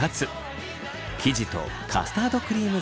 生地とカスタードクリーム作りです。